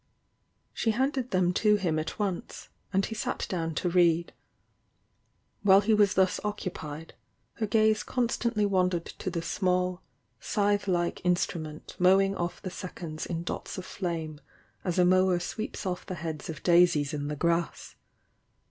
She handed them to him at once, and he sat down to read. While he was thus occupied, her gaze con stantly wandered to the small, scythe like instru ment mowing off the seconds in dots of flame as a mower sweeps off the heads of daisies in the grass.